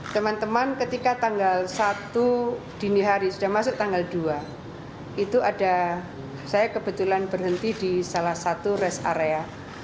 teman teman ketika tanggal satu dini hari sudah masuk tanggal dua itu ada saya kebetulan berhenti di salah satu rest area